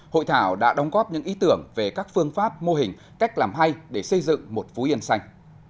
hội thảo đã đóng góp những ý tưởng về các phương pháp mô hình cách làm hay để xây dựng một phú yên xanh